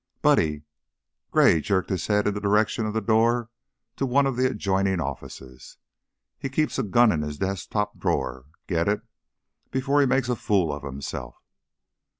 "Buddy!" Gray jerked his head in the direction of the door to one of the adjoining offices. "He keeps a gun in his desk top drawer. Get it before me makes a fool of himself."